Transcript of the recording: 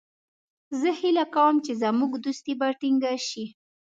زه هیله کوم چې زموږ دوستي به ټینګه شي.